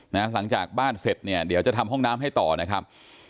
หลังจากบ้านเสร็จเนี่ยเดี๋ยวจะทำห้องน้ำให้ต่อนะครับ